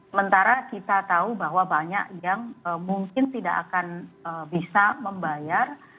sementara kita tahu bahwa banyak yang mungkin tidak akan bisa membayar